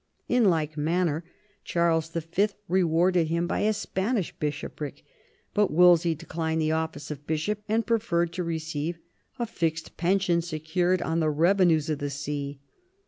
In like manner, Charles V. rewarded him by a Spanish bishopric ; but Wolsey declined the office of bishop, and preferred to receive a fixed pension secured on the revenues of the see.